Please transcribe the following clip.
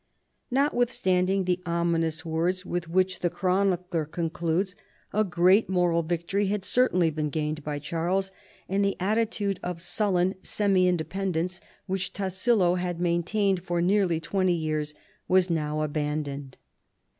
Notwithstanding the ominous words with which the chronicler concludes, a great moral victory had certainly been gained by Charles, and the attitude of sullen semi independence which Tassilo had main tained for nearly twenty j' ears was now abandoned.